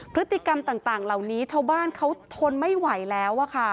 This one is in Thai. พฤติกรรมต่างเหล่านี้ชาวบ้านเขาทนไม่ไหวแล้ว